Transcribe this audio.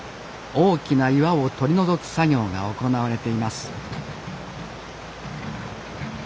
大きな岩を取り除く作業が行われています